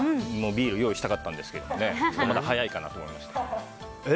ビール用意したかったんですがまだ早いかと思いました。